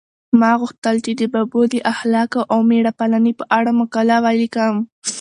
ما غوښتل چې د ببو د اخلاقو او مېړه پالنې په اړه مقاله ولیکم.